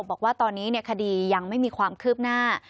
บอกว่าตอนนี้คดียังไม่มีความคืบหน้า